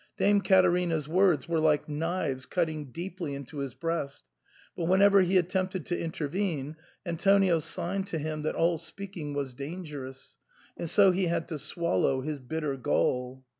Dame Caterina's words were like knives cutting deeply into his breast ; but whenever he attempted to intervene, Antonio signed to him that all speaking was dangerous, and so he had to swallow his bitter gall.